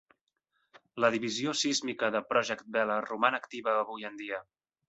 La divisió sísmica de Project Vela roman activa avui en dia.